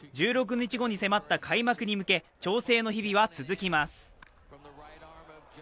１６日後に迫った開幕に向け調整の日々は続きます。